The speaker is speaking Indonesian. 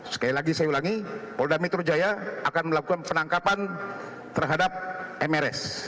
sekali lagi saya ulangi polda metro jaya akan melakukan penangkapan terhadap mrs